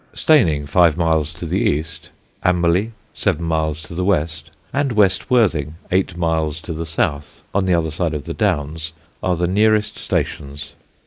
Steyning, five miles to the east, Amberley, seven miles to the west, and West Worthing, eight miles to the south, on the other side of the Downs, are the nearest stations.